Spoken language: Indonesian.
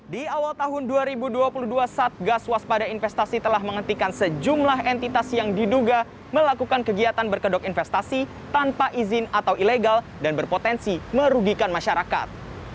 di awal tahun dua ribu dua puluh dua satgas waspada investasi telah menghentikan sejumlah entitas yang diduga melakukan kegiatan berkedok investasi tanpa izin atau ilegal dan berpotensi merugikan masyarakat